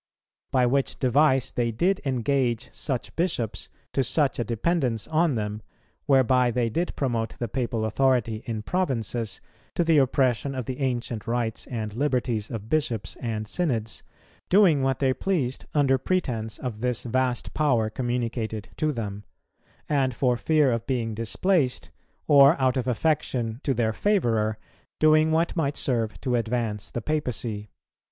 By which device they did engage such bishops to such a dependence on them, whereby they did promote the papal authority in provinces, to the oppression of the ancient rights and liberties of bishops and synods, doing what they pleased under pretence of this vast power communicated to them; and for fear of being displaced, or out of affection to their favourer, doing what might serve to advance the papacy.